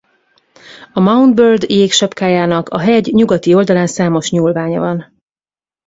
A Mount Bird jégsapkájának a hegy nyugati oldalán számos nyúlványa van.